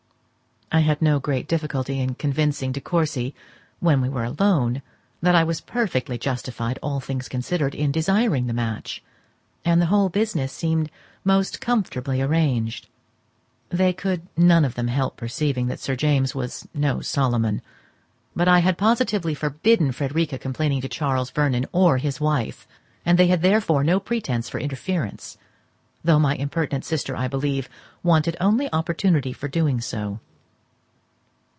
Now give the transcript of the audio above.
I had no great difficulty in convincing De Courcy, when we were alone, that I was perfectly justified, all things considered, in desiring the match; and the whole business seemed most comfortably arranged. They could none of them help perceiving that Sir James was no Solomon; but I had positively forbidden Frederica complaining to Charles Vernon or his wife, and they had therefore no pretence for interference; though my impertinent sister, I believe, wanted only opportunity for doing so.